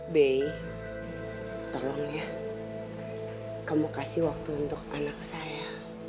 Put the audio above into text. bey tolong ya kamu kasih waktu untuk anak saya